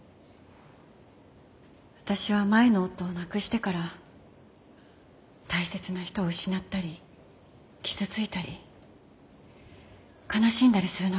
私は前の夫を亡くしてから大切な人を失ったり傷ついたり悲しんだりするのが嫌でした。